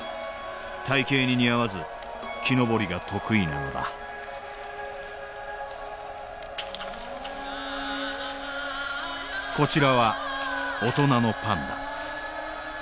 体型に似合わず木登りが得意なのだこちらは大人のパンダ。